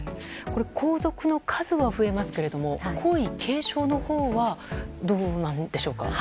皇族の数は増えますが皇位継承のほうはどうなんでしょうか。